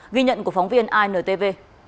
ghi nhận của phóng viên intv